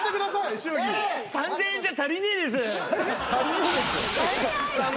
３，０００円じゃ足りねえです。